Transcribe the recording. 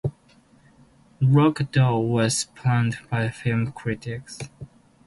"Rock-a-Doodle" was panned by film critics.